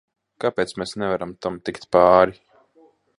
Kāpēc mēs nevaram tam tikt pāri?